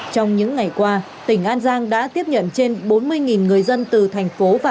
trong những ngày qua tỉnh an giang đã tiếp nhận trên bốn mươi người dân từ thành phố và